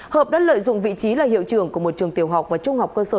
hợp đã lợi dụng vị trí là hiệu trưởng của một trường tiểu học và trung học cơ sở